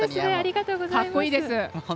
かっこいいです。